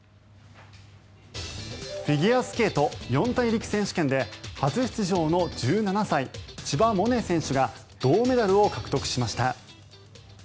フィギュアスケート四大陸選手権で初出場の１７歳、千葉百音選手が銅メダルを獲得しました。